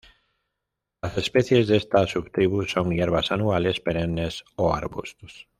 Las especies de esta subtribu son hierbas anuales, perennes o arbustos.